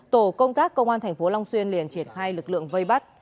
tổ công tác công an tp long xuyên liền triển hai lực lượng vây bắt